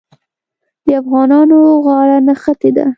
د افغانانو غاړه نښتې ده.